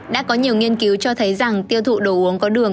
đã có nhiều nghiên cứu cho thấy rằng tiêu thụ đồ uống có đường